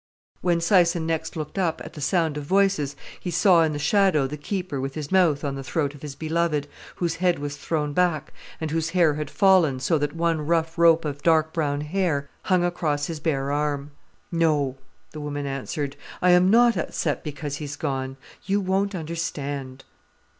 When Syson next looked up, at the sound of voices, he saw in the shadow the keeper with his mouth on the throat of his beloved, whose head was thrown back, and whose hair had fallen, so that one rough rope of dark brown hair hung across his bare arm. "No," the woman answered. "I am not upset because he's gone. You won't understand...."